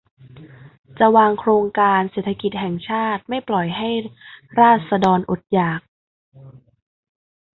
จะวางโครงการเศรษฐกิจแห่งชาติ ไม่ปล่อยให้ราษฎรอดอยาก